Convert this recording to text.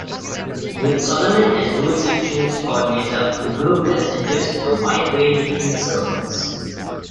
With Solomon as RootsAction's coordinator, the group has addressed a wide range of concerns.